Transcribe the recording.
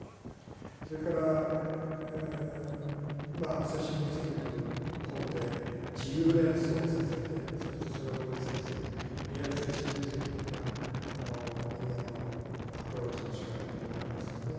それから精神分析の方で自由連想させてそしてそれを分析するいわゆる精神分析的なあの人間のアプローチのしかたというのがありますわね。